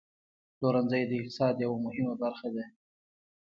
پلورنځی د اقتصاد یوه مهمه برخه ده.